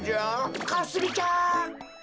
かすみちゃん！